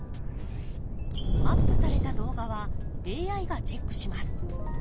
アップされた動画はＡＩがチェックします。